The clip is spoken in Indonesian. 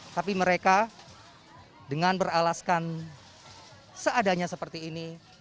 tapi mereka dengan beralaskan seadanya seperti ini